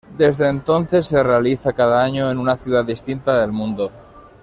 Desde entonces se realiza cada año en una ciudad distinta del mundo.